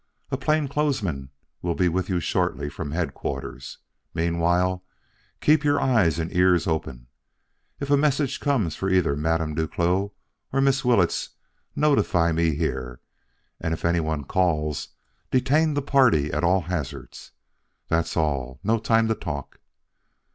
A plain clothes man will be with you shortly from Headquarters. Meanwhile keep your eyes and ears open. If a message comes for either Madame Duclos or Miss Willetts, notify me here; and if anyone calls, detain the party at all hazards. That's all; no time to talk."